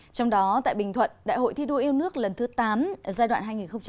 trong đó tại bình thuận đại hội thi đua yêu nước lần thứ tám giai đoạn hai nghìn hai mươi hai nghìn hai mươi năm